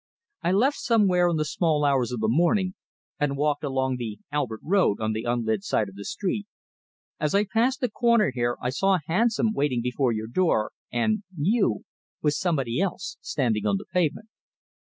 I left somewhere in the small hours of the morning, and walked along the Albert Road on the unlit side of the street. As I passed the corner here, I saw a hansom waiting before your door, and you with somebody else, standing on the pavement."